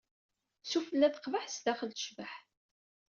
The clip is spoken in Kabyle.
Sufella Teqbeḥ, sdaxel Tecbeḥ.